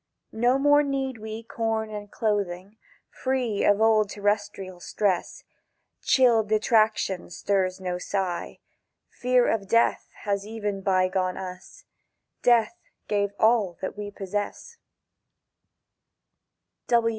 "No more need we corn and clothing, feel of old terrestrial stress; Chill detraction stirs no sigh; Fear of death has even bygone us: death gave all that we possess."